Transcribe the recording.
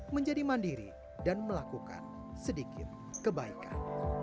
menjadi mandiri dan melakukan sedikit kebaikan